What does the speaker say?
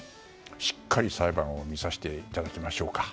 しっかり裁判を見させていただきましょうか。